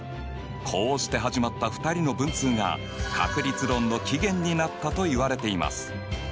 こうして始まった２人の文通が確率論の起源になったといわれています。